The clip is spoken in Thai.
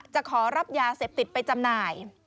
จะขอรับยาเสพติดไปจำหน่าย